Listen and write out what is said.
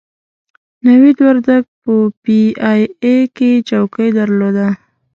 نوید وردګ په پي ای اې کې چوکۍ درلوده.